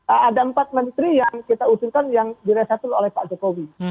ada empat menteri yang kita usulkan yang diresapel oleh pak jokowi